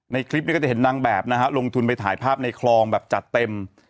ในคลิปนี้ก็จะเห็นนางแบบนะฮะลงทุนไปถ่ายภาพในคลองแบบจัดเต็ม